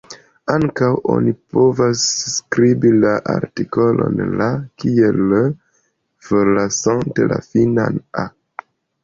Ankaŭ, oni povas skribi la artikolon "la" kiel l’, forlasante la finan "-a".